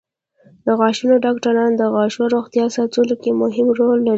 د غاښونو ډاکټران د غاښونو روغتیا ساتلو کې مهم رول لري.